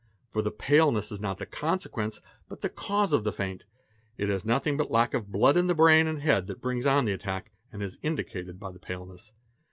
For the paleness is not the consequence but the cause of the faint, it is nothing but lack of blood in the brain and head that brings on the attack and is" indicated by the paleness.